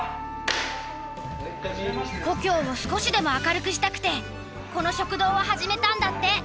故郷を少しでも明るくしたくてこの食堂を始めたんだって。